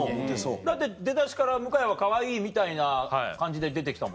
だって出だしから向井はかわいいみたいな感じで出て来たもんな。